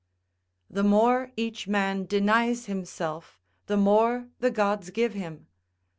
["The more each man denies himself, the more the gods give him.